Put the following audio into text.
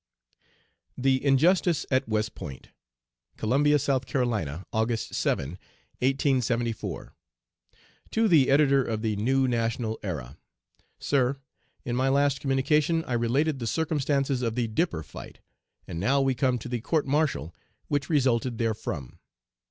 THE INJUSTICE AT WEST POINT. "COLUMBIA, S.C., August 7, 1874. To the Editor of the New National Era: "SIR: In my last communication I related the circumstances of the 'dipper fight,' and now we come to the court martial which resulted therefrom.